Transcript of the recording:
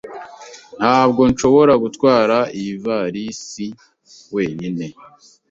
Ntabwo nshobora gutwara iyi ivalisi wenyine